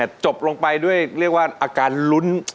จบลงไปด้วยเรียกว่าอาการลุ้น